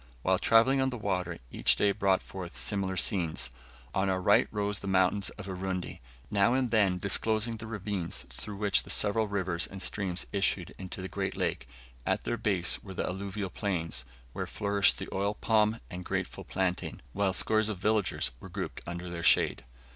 While travelling on the water each day brought forth similar scenes on our right rose the mountains of Urundi, now and then disclosing the ravines through which the several rivers and streams issued into the great lake; at their base were the alluvial plains, where flourished the oil palm and grateful plantain, while scores of villages were grouped under their shade.